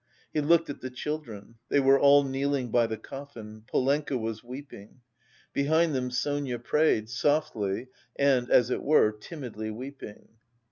He looked at the children: they were all kneeling by the coffin; Polenka was weeping. Behind them Sonia prayed, softly and, as it were, timidly weeping.